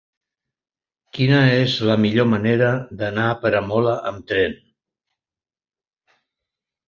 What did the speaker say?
Quina és la millor manera d'anar a Peramola amb tren?